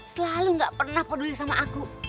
selalu gak pernah peduli sama aku